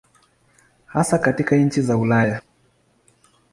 Hasa katika nchi za Ulaya.